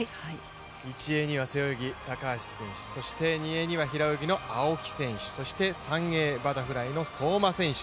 １泳には背泳ぎ・高橋選手そして２泳には平泳ぎの青木選手そして、３泳にはバタフライ、相馬選手。